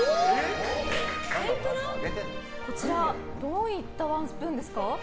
こちらどういったワンスプーンですか？